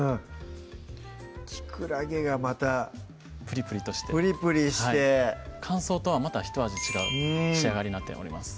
きくらげがまたプリプリとしてプリプリして乾燥とはまたひと味違う仕上がりになっております